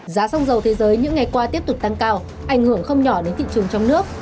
giá xăng dầu thế giới những ngày qua tiếp tục tăng cao ảnh hưởng không nhỏ đến thị trường trong nước